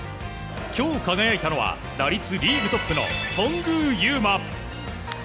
今日、輝いたのは打率リーグトップの頓宮裕真。